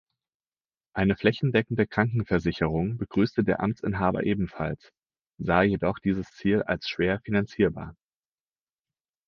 Eine flächendeckende Krankenversicherung begrüßte der Amtsinhaber ebenfalls, sah jedoch dieses Ziel als schwer finanzierbar.